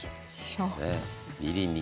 みりん２。